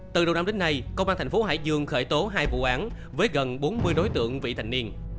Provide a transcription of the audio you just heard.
từ đầu năm đến nay công an thành phố hải dương khởi tố hai vụ án